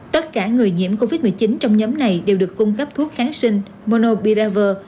tất cả người nhiễm covid một mươi chín trong nhóm này đều được cung cấp thuốc kháng sinh monobiraver